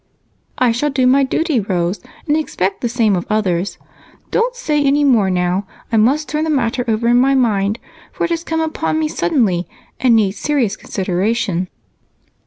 "I shall do my duty, Rose, and expect the same of others. Don't say any more now I must turn the matter over in my mind, for it has come upon me suddenly and needs serious consideration."